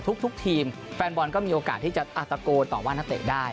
ทุกทีมแฟนบอลก็มีโอกาสที่จะตะโกนต่อว่านักเตะได้